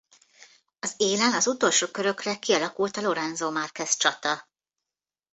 Az élen az utolsó körökre kialakult a Lorenzo-Márquez csata.